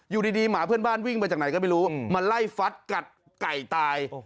อยู่ดีหมาเพื่อนบ้านวิ่งมาจากไหนก็ไม่รู้มาไล่ฟัดกัดไก่ตาย